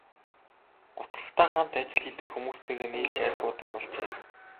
Гутрахдаа хамт ажил хийдэг хүмүүстэйгээ нийлж архи уудаг болжээ.